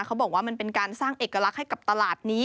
เขาบอกว่ามันเป็นการสร้างเอกลักษณ์ให้กับตลาดนี้